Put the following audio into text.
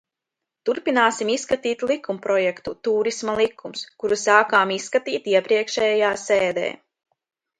"Turpināsim izskatīt likumprojektu "Tūrisma likums", kuru sākām izskatīt iepriekšējā sēdē."